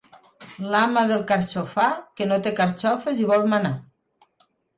L'ama del carxofar, que no té carxofes i vol manar.